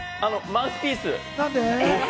マウスピース。